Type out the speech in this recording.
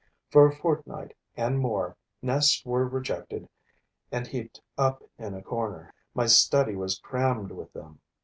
For a fortnight and more, nests were rejected and heaped up in a corner; my study was crammed with them.